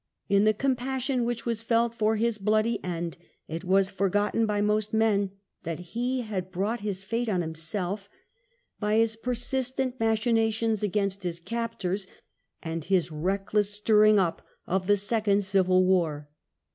In the compassion which was felt for his bloody end it was forgotten by most men that he had brought his fate on himself, by his persistent machinations against his captors and his reckless stirring up of the Second Civil War.